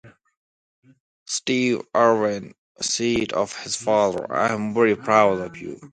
Steve Irwin said of his father: I'm very proud of him.